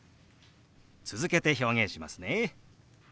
続けて表現しますね。